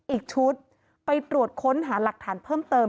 อีกชุดไปตรวจค้นหาหลักฐานเพิ่มเติม